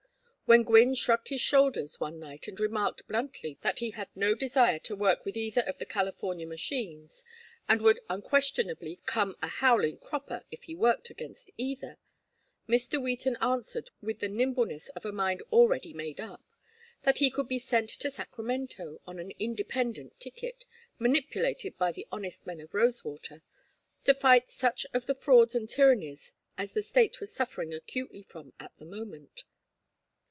When Gwynne shrugged his shoulders one night and remarked bluntly that he had no desire to work with either of the California machines, and would unquestionably come a howling cropper if he worked against either, Mr. Wheaton answered with the nimbleness of a mind already made up, that he could be sent to Sacramento on an independent ticket manipulated by the honest men of Rosewater to fight such of the frauds and tyrannies as the State was suffering acutely from at the moment.